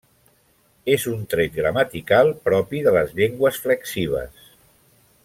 És un tret gramatical propi de les llengües flexives.